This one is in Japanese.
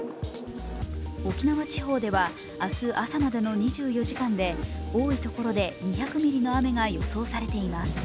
沖縄地方では明日朝までの２４時間で多いところで２００ミリの雨が予想されています。